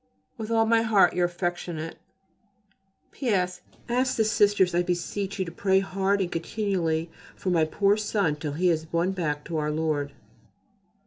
With all my heart, your affectionate, P.S. Ask the Sisters, I beseech you, to pray hard and continually for my poor son till he is won back to Our Lord.